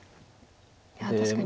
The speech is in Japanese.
いや確かに。